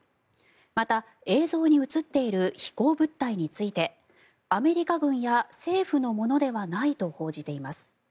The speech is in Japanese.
また、映像に映っている飛行物体についてアメリカ軍や政府のものではないと報じています。